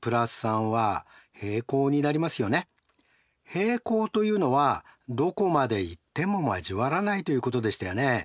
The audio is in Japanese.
平行というのはどこまで行っても交わらないということでしたよね。